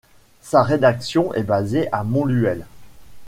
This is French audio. Sa rédaction est basée à Montluel.